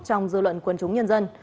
trong dư luận quân chúng nhân dân